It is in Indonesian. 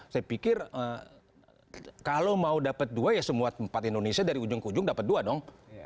saya pikir kalau mau dapat dua ya semua tempat indonesia dari ujung ke ujung dapat dua dong